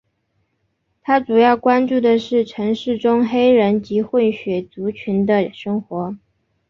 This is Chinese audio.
他主要关注的是城市中黑人及混血族群的生活。